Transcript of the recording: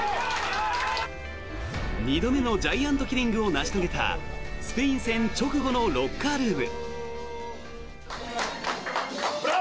２度目のジャイアントキリングを成し遂げたスペイン戦直後のロッカールーム。